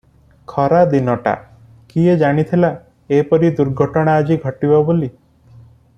ଖରାଦିନଟା- କିଏ ଜାଣିଥିଲା ଏପରି ଦୁର୍ଘଟନା ଆଜି ଘଟିବ ବୋଲି ।